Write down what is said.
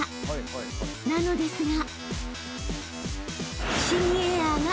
［なのですが］